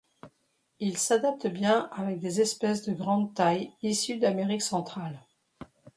Il s'adapte bien avec des espèces de grandes tailles issues d'amérique centrale.